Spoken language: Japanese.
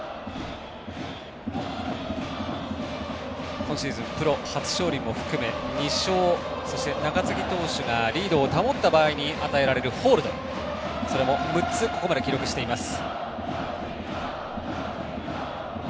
今シーズンプロ初勝利も含め２勝、そして中継ぎ投手がリードを保った場合に与えられるホールドそれも６つここまで記録しています。